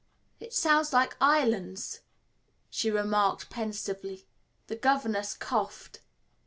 "It sounds like islands," she remarked pensively. The governess coughed.